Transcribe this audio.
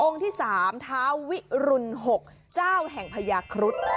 องค์ที่สามท้าววิรุณหกเจ้าแห่งพญาครุฑ